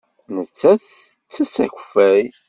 Nettat tettess akeffay.